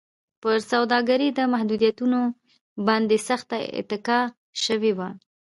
پر سوداګرۍ د محدودیتونو باندې سخته اتکا شوې وه.